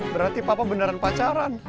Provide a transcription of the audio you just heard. berarti papa beneran pacaran